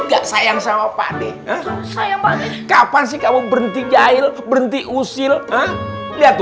enggak sayang sama pak deh kapan sih kamu berhenti jahil berhenti usil lihat